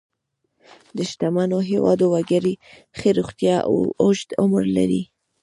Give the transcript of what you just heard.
د شتمنو هېوادونو وګړي ښه روغتیا او اوږد عمر لري.